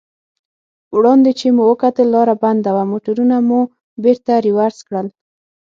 وړاندې چې مو وکتل لار بنده وه، موټرونه مو بېرته رېورس کړل.